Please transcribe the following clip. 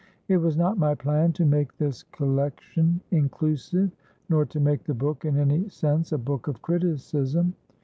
It was not my plan to make this collection inclusive nor to make the book in any sense a book of criticism.